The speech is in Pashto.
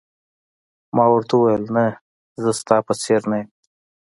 ما ورته وویل: نه، زه ستا په څېر نه یم.